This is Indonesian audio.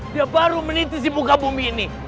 dia baru meniti si muka bumi ini